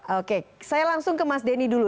oke saya langsung ke mas denny dulu